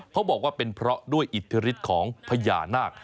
เขาบอกว่าเป็นเพราะด้วยอิทธิฤทธิ์ของพญานาค